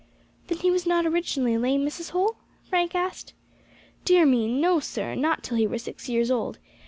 "Then he was not originally lame, Mrs. Holl?" Frank asked. "Dear me! no, sir, not till he were six years old.